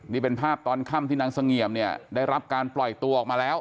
นี่เป็นภาพตอนค่ำที่นางเสงี่ยมเนี่ยได้รับการปล่อยตัวออกมาแล้ว